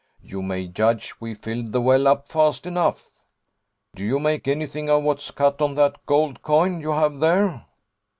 You may judge we filled the well up fast enough. Do you make anything of what's cut on that gold coin you have there?'